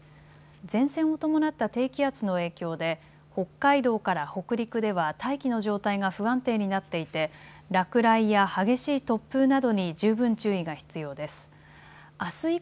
前線を伴った低気圧の影響で北海道から北陸では大気の状態が不安定になっていて落雷や激しい突風などに十分注意が必要です。